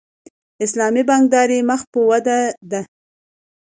اسلامي بانکداري مخ په ودې ده